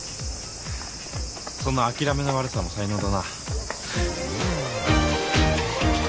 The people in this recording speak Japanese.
その諦めの悪さも才能だな。